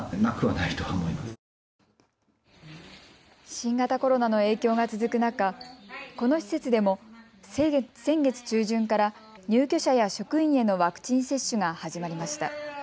新型コロナの影響が続く中、この施設でも先月中旬から入居者や職員へのワクチン接種が始まりました。